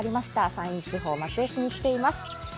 山陰・松江市に来ています。